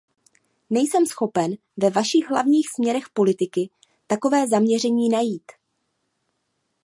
Nejsem schopen ve vašich hlavních směrech politiky takové zaměření najít.